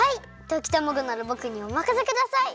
ときたまごならぼくにおまかせください！